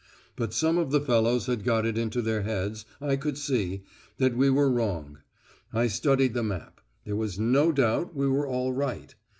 But some of the fellows had got it into their heads, I could see, that we were wrong. I studied the map; there was no doubt we were all right.